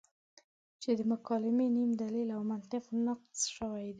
چې د مکالمې نیم دلیل او منطق نقص شوی دی.